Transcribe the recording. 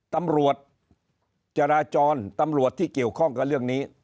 ตำรวจจราจรตำรวจที่เกี่ยวข้องกับเรื่องนี้